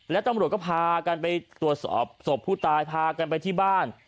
และตำรวจก็พากันไปตรวจสอบศพผู้ตายพากันไปที่บ้าน